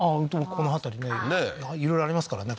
この辺りねねえいろいろありますからね